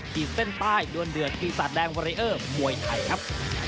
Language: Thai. ขีดเส้นใต้ดวนเดือดปีศาจแดงวอเรอร์มวยไทยครับ